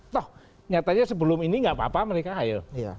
tuh nyatanya sebelum ini tidak apa apa mereka ayo